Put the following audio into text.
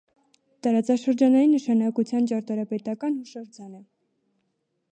Տարածաշրջանային նշանակության ճարտարապետական հուշարձան է։